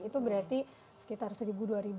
itu berarti sekitar seribu dua ratus lima puluh ton